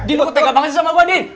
din kok tega banget sih sama gue din